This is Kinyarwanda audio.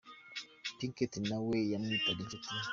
Pinket na we yamwitaga inshuti ye.